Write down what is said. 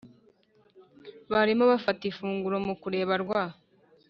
barimo bafata ifunguro mukureba rwa